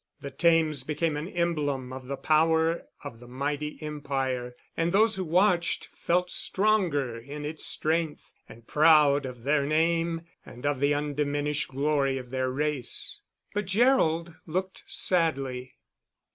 The Thames became an emblem of the power of the mighty empire, and those who watched felt stronger in its strength, and proud of their name and of the undiminished glory of their race. But Gerald looked sadly.